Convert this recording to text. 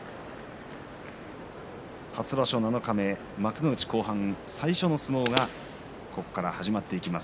初場所七日目、幕内後半最初の相撲が、ここから始まっていきます。